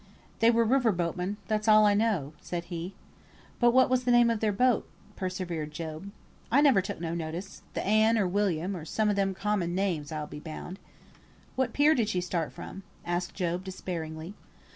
"They were river boatmen; that's all I know," said he. "But what was the name of their boat?" persevered Job. "I never took no notice; the Anne, or William, or some of them common names, I'll be bound." "What pier did she start from?" asked Job, despairingly.